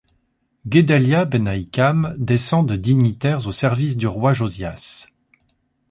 Guedalya ben Ahikam descend de dignitaires au service du roi Josias.